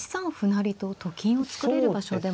成とと金を作れる場所でも。